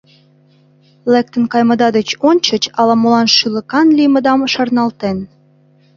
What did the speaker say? Лектын кайымыда деч ончыч ала-молан шӱлыкан лиймыдам шарналтен.